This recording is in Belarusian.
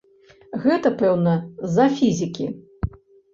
Гэта, пэўна, з-за фізікі.